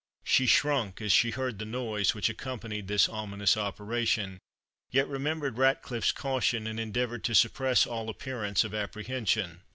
She shrunk as she heard the noise which accompanied this ominous operation, yet remembered Ratcliffe's caution, and endeavoured to suppress all appearance of apprehension.